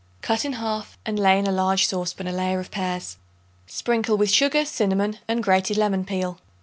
Cut in half, and lay in a large saucepan a layer of pears; sprinkle with sugar, cinnamon and grated lemon peel.